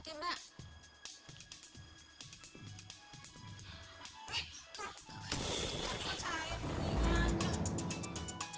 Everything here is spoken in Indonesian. tolong banget ya mbak